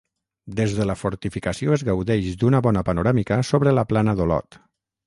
Des de la fortificació es gaudeix d'una bona panoràmica sobre la plana d'Olot.